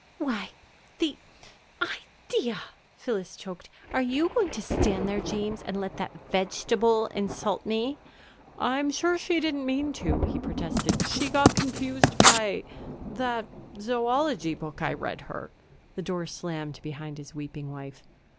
"Why, the idea!" Phyllis choked. "Are you going to stand there, James, and let that vegetable insult me?" "I'm sure she didn't mean to," he protested. "She got confused by that zoology book I read her." The door slammed behind his weeping wife.